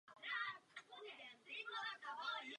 Otakar Janecký.